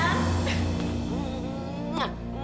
nanti aku nunggu